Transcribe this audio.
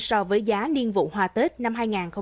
so với giá niên vụ hoa tết năm hai nghìn hai mươi